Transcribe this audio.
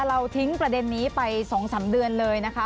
เราทิ้งประเด็นนี้ไป๒๓เดือนเลยนะคะ